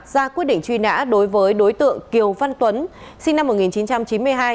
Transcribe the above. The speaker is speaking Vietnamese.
ra quyết định truy nã đối với đối tượng kiều văn tuấn sinh năm một nghìn chín trăm chín mươi hai